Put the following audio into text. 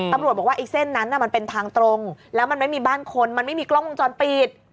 ตำรวจบอกว่าไอ้เส้นนั้นมันเป็นทางตรงแล้วมันไม่มีบ้านคนมันไม่มีกล้องวงจรปิด